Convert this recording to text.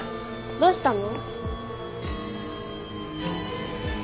どうしたの？